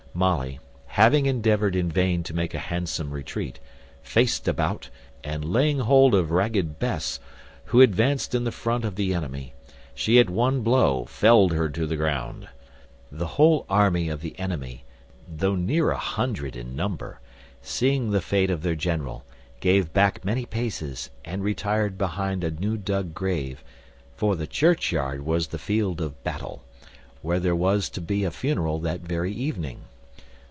Molly, having endeavoured in vain to make a handsome retreat, faced about; and laying hold of ragged Bess, who advanced in the front of the enemy, she at one blow felled her to the ground. The whole army of the enemy (though near a hundred in number), seeing the fate of their general, gave back many paces, and retired behind a new dug grave; for the churchyard was the field of battle, where there was to be a funeral that very evening.